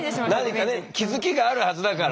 何かね気付きがあるはずだから。